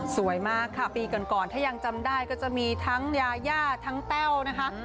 สวยมากค่ะปีก่อนถ้ายังจำได้ก็จะมีทั้งยาย่าทั้งแต้วนะคะ